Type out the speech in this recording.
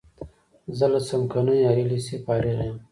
زه له څمکنیو عالی لیسې فارغ یم.